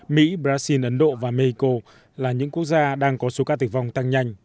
mỹ brazil ấn độ và mexico là những quốc gia đang có số ca tử vong tăng nhanh